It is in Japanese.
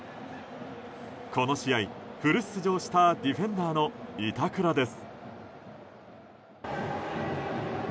この試合、フル出場したディフェンダーの板倉です。